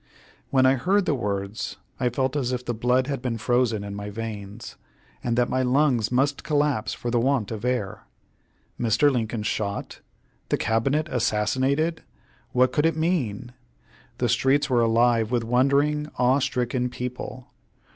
When I heard the words I felt as if the blood had been frozen in my veins, and that my lungs must collapse for the want of air. Mr. Lincoln shot! the Cabinet assassinated! What could it mean? The streets were alive with wondering, awe stricken people.